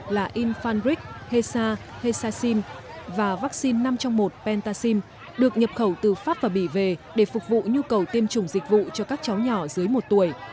là infantric hesa hesacin và vaccine năm trong một pentacin được nhập khẩu tư pháp và bỉ về để phục vụ nhu cầu tiêm chủng dịch vụ cho các cháu nhỏ dưới một tuổi